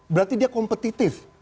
berarti dia kompetitif